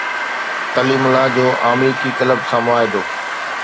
ڪليم الله جو آمريڪي ڪلب سان معاهدو